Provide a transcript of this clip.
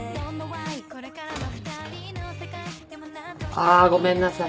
あごめんなさい